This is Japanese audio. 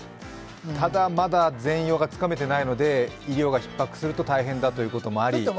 ただ、まだ全容がつかめていないので、医療がひっ迫すると大変だということもあり。